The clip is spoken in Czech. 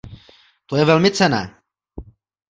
To je velmi cenné.